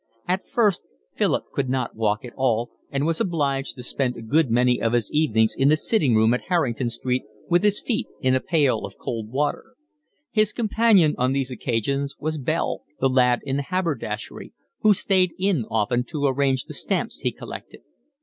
At first Philip could not walk at all and was obliged to spend a good many of his evenings in the sitting room at Harrington Street with his feet in a pail of cold water. His companion on these occasions was Bell, the lad in the haberdashery, who stayed in often to arrange the stamps he collected.